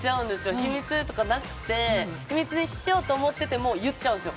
秘密とかなくて秘密にしようと思っていても言っちゃうんですよ。